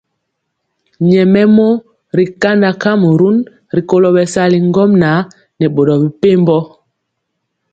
Nyɛmemɔ ri kanda kamrun rikolo bɛsali ŋgomnaŋ nɛ boro mepempɔ.